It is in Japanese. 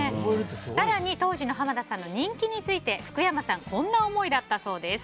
更に当時の濱田さんの人気について福山さんはこんな思いだったそうです。